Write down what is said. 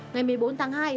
ngày một mươi bốn tháng hai